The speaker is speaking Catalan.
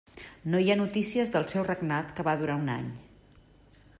No hi ha notícies del seu regnat que va durar un any.